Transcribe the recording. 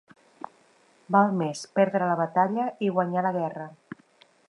Val més perdre la batalla, i guanyar la guerra.